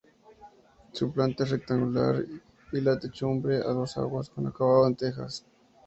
Su planta es rectangular y la techumbre a dos aguas con acabado en tejas.